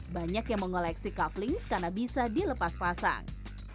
banyak yang mengoleksi kaveling karena bisa dilepas pasang